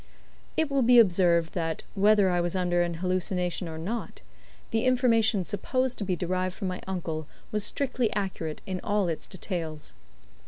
It will be observed that, whether I was under an hallucination or not, the information supposed to be derived from my uncle was strictly accurate in all its details.